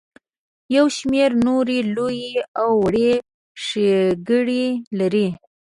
یو شمیر نورې لویې او وړې ښیګړې لري.